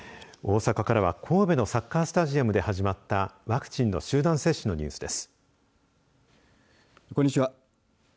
大阪からは神戸のサッカースタジアムで始まったワクチンの集団接種のニュースです。